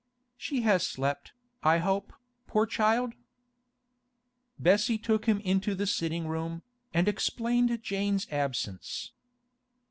'She has slept, I hope, poor child?' Bessie took him into the sitting room, and explained Jane's absence.